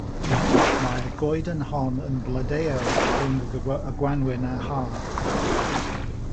Mae'r goeden hon yn blodeuo rhwng y gwanwyn a'r haf.